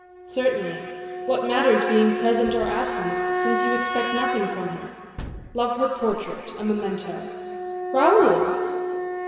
"Certainly; what matters being present or absent, since you expect nothing from her? Love her portrait, a memento." "Raoul!"